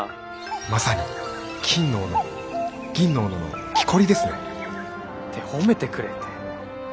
「まさに『金の斧銀の斧』のきこりですね」。って褒めてくれて。